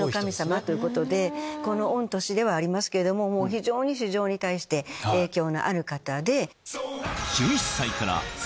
この御年ではありますけど非常に市場に対して影響のある方で。